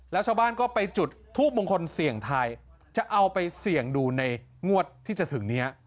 แล้วชาวบ้านก็ไปจุดทูปมงคลเสี่ยงทายจะเอาไปเสี่ยงดูในงวดที่จะถึงนี้